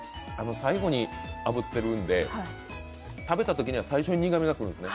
最後にあぶってるんで、食べたときに最初に苦みが来るんですね。